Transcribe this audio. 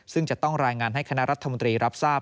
ซึ่งจะต้องรายงานให้คณะรัฐมนตรีรับทราบ